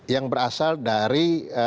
yang berasal dari